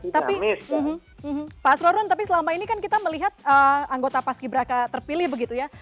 tapi pak astro run selama ini kita melihat anggota pas ki braka terpilih begitu ya